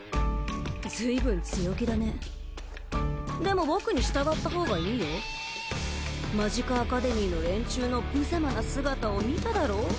ずいぶん強気だねでも僕に従ったほうがいいよマジカアカデミーの連中のぶざまな姿を見ただろう？